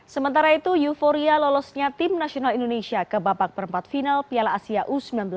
sementara itu euforia lolosnya tim nasional indonesia ke babak perempat final piala asia u sembilan belas